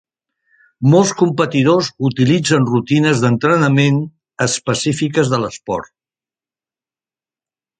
Molts competidors utilitzen rutines d'entrenament específiques de l'esport.